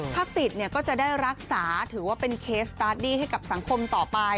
ถ้าติดเนี่ยก็จะได้รักษาถือว่าเป็นเคสสตาร์ทดี้ให้กับสังคมต่อไป